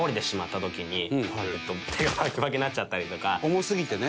重すぎてね。